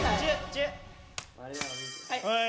はい。